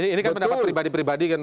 ini kan pendapat pribadi pribadi kan